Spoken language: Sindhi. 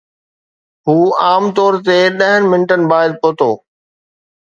هو عام طور تي ڏهن منٽن بعد پهتو